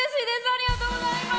ありがとうございます。